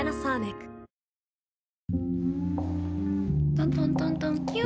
トントントントンキュ。